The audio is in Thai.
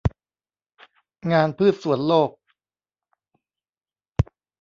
งานพืชสวนโลก